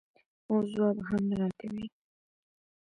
اوس ځواب هم نه راکوې؟